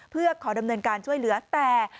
เพื่อขอดำเนินการช่วยเหลือแต่